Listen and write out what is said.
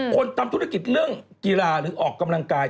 คนทำธุรกิจเรื่องกีฬาหรือออกกำลังกาย